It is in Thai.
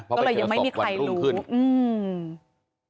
ก็เลยยังไม่มีใครรู้อืม